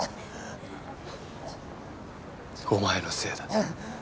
お前のせいだ。